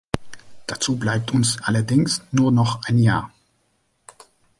Dazu bleibt uns allerdings nur noch ein Jahr.